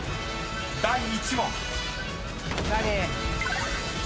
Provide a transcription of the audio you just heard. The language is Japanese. ［第１問］